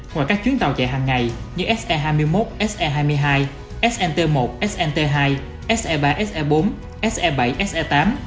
ngoài các chuyến tàu chạy hàng ngày như se hai mươi một se hai mươi hai snt một snt hai se ba se bốn se bảy se tám